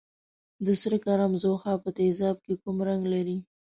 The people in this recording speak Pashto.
د سره کرم ځوښا په تیزاب کې کوم رنګ لري؟